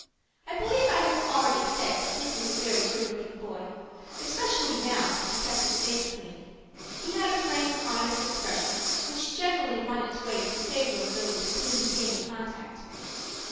I believe I have already said that Dick was a very good looking boy, especially now since he kept his face clean. He had a frank, honest expression, which generally won its way to the favor of those with whom he came in contact.